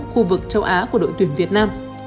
khu vực châu á của đội tuyển việt nam